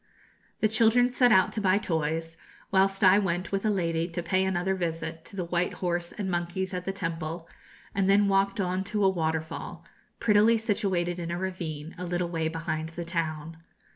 The children set out to buy toys, whilst I went with a lady to pay another visit to the white horse and monkeys at the temple, and then walked on to a waterfall, prettily situated in a ravine, a little way behind the town.